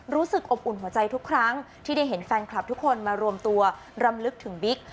รู้สึกอบอุ่นหัวใจทุกครั้งที่ได้เห็นแฟนคลับทุกคนมารวมตัวรำลึกถึงบิ๊ก